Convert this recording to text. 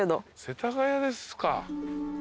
世田谷ですか。